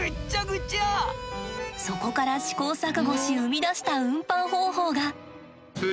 そこから試行錯誤し生み出した運搬方法が。